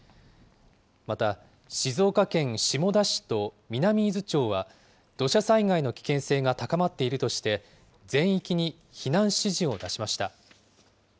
また、静岡県下田市と南伊豆町は、土砂災害の危険性が高まっているとして、全域に避難指示を出しました。